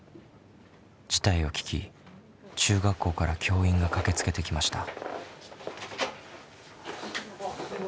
事態を聞き中学校から教員が駆けつけてきました。